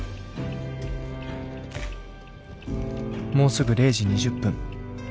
もうすぐ０時２０分。